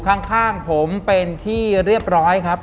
ข้างผมเป็นที่เรียบร้อยครับ